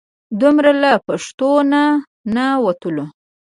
دومره له پښتو نه نه وتلو.